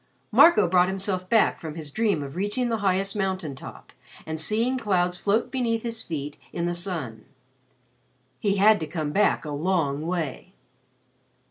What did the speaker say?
Marco brought himself back from his dream of reaching the highest mountain top and seeing clouds float beneath his feet in the sun. He had to come back a long way.